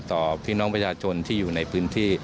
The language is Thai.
พี่น้องประชาชนที่อยู่ในพื้นที่